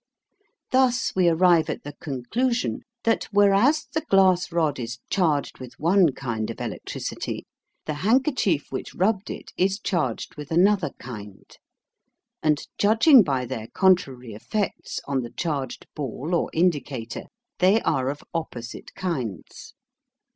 Thus we arrive at the conclusion that whereas the glass rod is charged with one kind of electricity, the handkerchief which rubbed it is charged with another kind, and, judging by their contrary effects on the charged ball or indicator, they are of opposite kinds.